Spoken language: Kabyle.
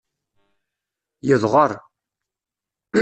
Yedɣer.